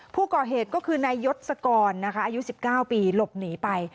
ผู้ก่อเหตุก็คือนายยศกรนะคะอายุ๑๙ปีหลบหนีไป